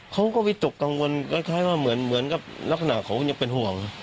เขาก็วิตกกังวลคล้ายว่าเหมือนกับลักษณะเขายังเป็นห่วง